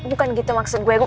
bukan gitu maksud gue